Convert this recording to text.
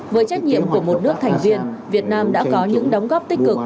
với trách nhiệm của một nước thành viên việt nam đã có những đóng góp tích cực